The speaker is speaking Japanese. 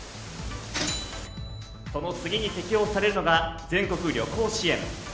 その次に適用されるのが全国旅行支援。